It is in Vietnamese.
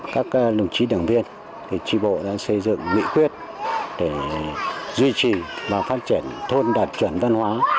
các đồng chí đảng viên tri bộ đang xây dựng nghị quyết để duy trì và phát triển thôn đạt chuẩn văn hóa